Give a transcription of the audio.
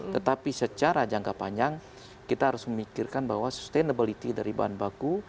tetapi secara jangka panjang kita harus memikirkan bahwa sustainability dari bahan baku